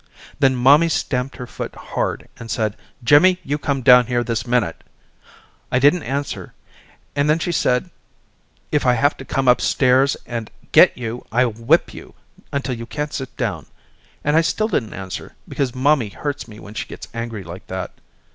Then mommy stamped her foot hard and said Jimmy you come down here this minute. I didn't answer and then she said if I have to come upstairs and get you I'll whip you until you can't sit down, and I still didn't answer because mommy hurts me when she gets angry like that.